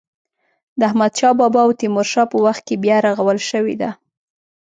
د احمد شا بابا او تیمور شاه په وخت کې بیا رغول شوې ده.